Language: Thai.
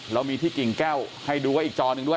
เรามีที่กิ่งแก้วให้ดูไว้อีกจอหนึ่งด้วย